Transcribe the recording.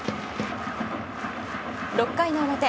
６回の表。